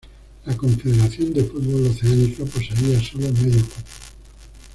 La Confederación de Fútbol oceánica poseía solo medio cupo.